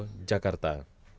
dari jogja jogja jakarta